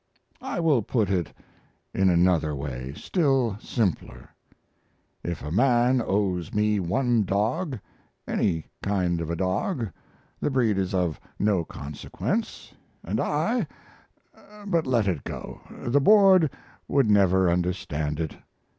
I will put it in another way still simpler. If a man owes me one dog any kind of a dog, the breed is of no consequence and I but let it go; the board would never understand it.